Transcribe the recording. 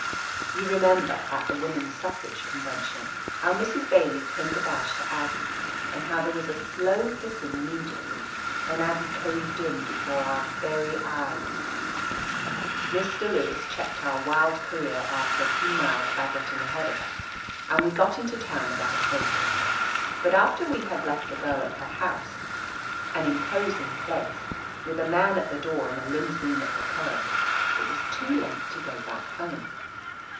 You remember, at the Woman's Suffrage Convention, how Mrs. Bailey pinned a badge to Aggie, and how there was a slow hissing immediately, and Aggie caved in be fore our very eyes ? Mr. Lewis checked our wild career after a few miles by getting ahead of us, and we got into town about eight. But after we had left the girl at her house — an imposing place, with a man at the door and a limousine at the curb — it was too late to go back home.